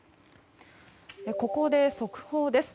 ここで速報です。